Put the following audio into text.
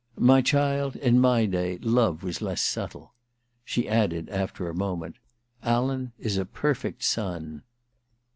*My child, in my day love was less subtle.' She added, after a moment :^ Alan is a perfect son.'